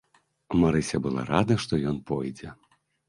Марыся была рада, што ён пойдзе.